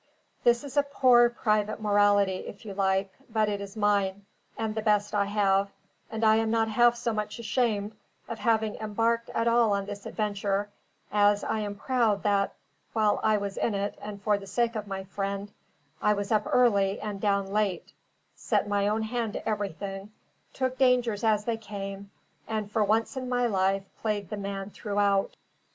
This is a poor, private morality, if you like; but it is mine, and the best I have; and I am not half so much ashamed of having embarked at all on this adventure, as I am proud that (while I was in it, and for the sake of my friend) I was up early and down late, set my own hand to everything, took dangers as they came, and for once in my life played the man throughout.